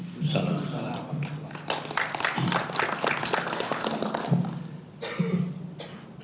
wa'alaikumsalam warahmatullahi wabarakatuh